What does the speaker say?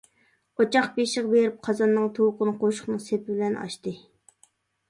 ئوچاق بېشىغا بېرىپ قازاننىڭ تۇۋىقىنى قوشۇقنىڭ سېپى بىلەن ئاچتى.